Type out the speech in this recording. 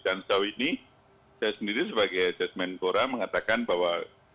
dan sejauh ini saya sendiri sebagai kemenpora mengatakan bahwa